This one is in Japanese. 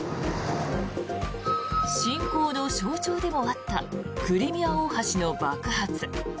侵攻の象徴でもあったクリミア大橋の爆発。